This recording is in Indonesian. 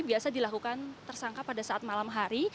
biasa dilakukan tersangka pada saat malam hari